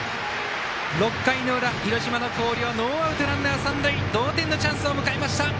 ６回の裏、広島の広陵ノーアウト、ランナー三塁同点のチャンスを迎えました。